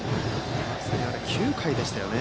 あれは９回でしたよね。